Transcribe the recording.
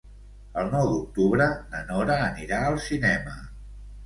El nou d'octubre na Nora anirà al cinema.